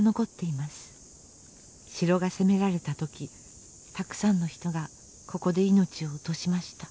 城が攻められた時たくさんの人がここで命を落としました。